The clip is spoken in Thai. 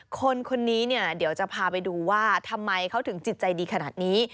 คนนี้เนี่ยเดี๋ยวจะพาไปดูว่าทำไมเขาถึงจิตใจดีขนาดนี้